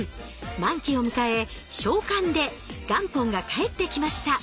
満期を迎え償還で元本が返ってきました。